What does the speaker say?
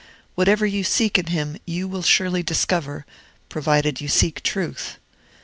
Whatever you seek in him you will surely discover, provided you seek truth.